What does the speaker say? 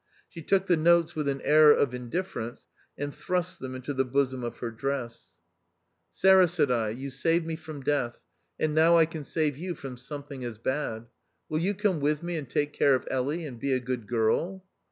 She took the notes with an air of indifference, and thrust them into the bosom of her dress. 234 THE OUTCAST. " Sarah," said I, " you saved me from death, and now I can save you from some thing as bad. Will you come with me and take care of Elly, and be a good girl